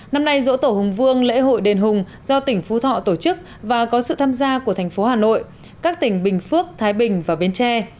năm nay dỗ tổ hùng vương lễ hội đền hùng do tỉnh phú thọ tổ chức và có sự tham gia của thành phố hà nội các tỉnh bình phước thái bình và bến tre